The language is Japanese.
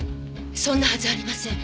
そんなはずありません。